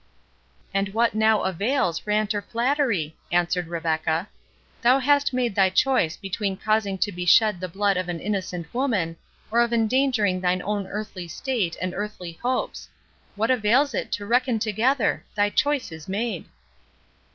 "And what now avails rant or flattery?" answered Rebecca. "Thou hast made thy choice between causing to be shed the blood of an innocent woman, or of endangering thine own earthly state and earthly hopes—What avails it to reckon together?—thy choice is made."